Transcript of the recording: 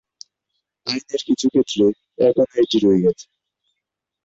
আইনের কিছু ক্ষেত্রে, এখনও এটি রয়ে গেছে।